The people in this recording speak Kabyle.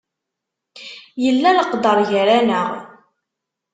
Yella leqder gar-aneɣ.